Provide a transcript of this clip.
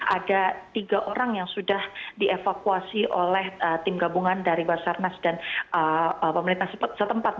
ada tiga orang yang sudah dievakuasi oleh tim gabungan dari basarnas dan pemerintah setempat